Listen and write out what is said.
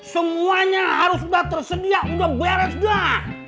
semuanya harus udah tersedia udah beres dah